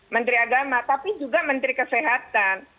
menteri agama tapi juga menteri kesehatan